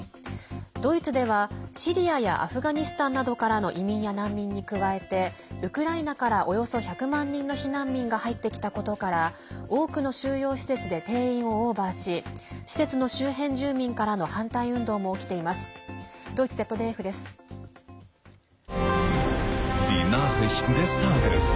ドイツではシリアやアフガニスタンなどからの移民や難民に加えてウクライナからおよそ１００万人の避難民が入ってきたことから多くの収容施設で定員をオーバーし施設の周辺住民からの反対運動も起きています。